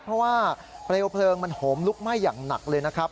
เพราะว่าเปลวเพลิงมันโหมลุกไหม้อย่างหนักเลยนะครับ